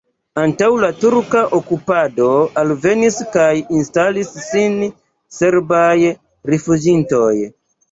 Antaŭ la turka okupado alvenis kaj instalis sin serbaj rifuĝintoj.